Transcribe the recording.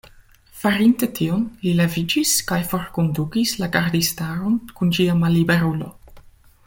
Farinte tion, li leviĝis kaj forkondukis la gardistaron kun ĝia malliberulo.